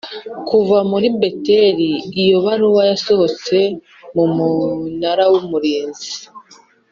kuva kuri Beteli Iyo baruwa yasohotse mu Munara w Umurinzi